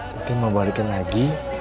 mungkin mau balikin lagi